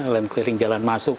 lain keliling jalan masuk